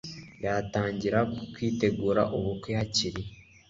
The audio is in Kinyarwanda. yatangira kwitegura ubukwe hakiri